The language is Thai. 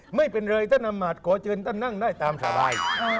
ไม่เป็นเลยต้านอำมาตย์ขอเจอต้านนั่งได้ตามสาวดาย